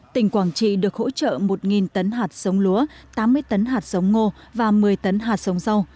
tỉnh quảng trị được hỗ trợ một tấn hạt sống lúa tám mươi tấn hạt sống ngô và một mươi tấn hạt sống rau